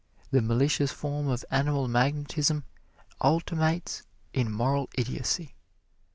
The malicious form of animal magnetism ultimates in moral idiocy.